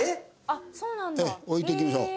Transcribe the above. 置いていきましょう。